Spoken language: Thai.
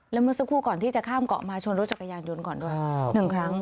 แล้วเมื่อสักครู่ก่อนที่จะข้ามเกาะมาชนรถจักรยานยนต์ก่อนด้วย๑ครั้ง